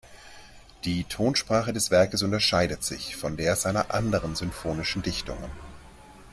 Die Tonsprache des Werkes unterscheidet sich von der seiner anderen sinfonischen Dichtungen.